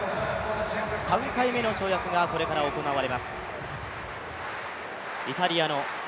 ３回目の跳躍がこれから行われます